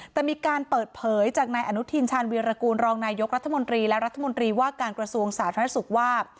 แต่มีการเปิดเผยจากนายอนุทินชาญวีรกูลรองนายกรัฐมนตรีและรัฐมนตรีว่าการกระทรวงสาธารณสุขว่า